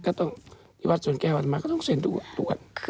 ก็ต้องที่วัดสวนแก้ววันมาก็ต้องเซ็นดูทุกวัน